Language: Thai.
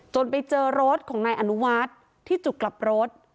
ไปเจอรถของนายอนุวัฒน์ที่จุดกลับรถ